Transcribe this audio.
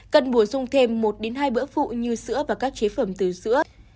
cần bổ sung thêm một hai bữa phụ như sữa và các chế phẩm từ sữa